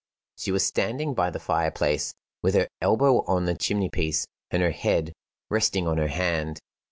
She was standing by the fire place, with her elbow on the chimney piece, and her head, resting on her hand.